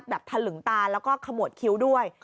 ถลึงตาแล้วก็ขมวดคิ้วด้วย